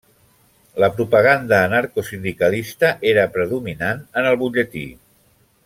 La propaganda anarcosindicalista era predominant en el butlletí.